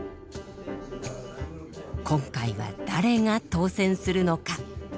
今回は誰が当選するのか。